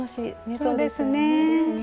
そうですね。